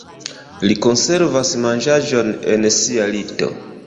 Li konservas manĝaĵon en sia lito.